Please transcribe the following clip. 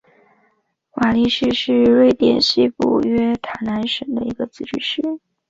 瓦拉市是瑞典西部西约塔兰省的一个自治市。